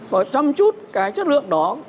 và chăm chút cái chất lượng đó